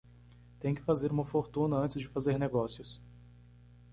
Tem que fazer uma fortuna antes de fazer negócios